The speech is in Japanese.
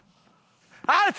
アウト！